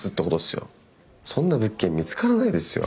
そんな物件見つからないですよ。